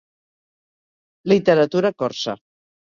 Literatura corsa.